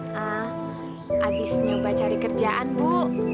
habis nyoba cari kerjaan bu